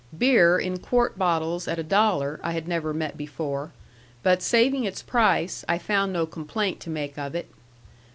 Beer in quart bottles at a dollar I had never met before; but saving its price, I found no complaint to make of it.